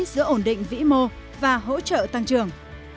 giữa ổn định vĩ mô và hỗ trợ tăng trưởng